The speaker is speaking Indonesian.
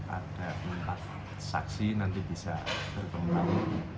ada empat saksi nanti bisa berkembang